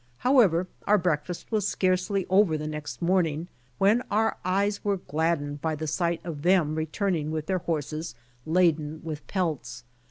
However our break fast was scarcely over the next morning when our eyes were gladdened by the sight of them returning with their horses loaded with pelts.